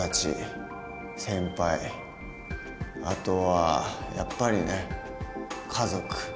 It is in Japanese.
あとはやっぱりね家族。